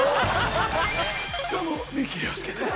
どうも美木良介です。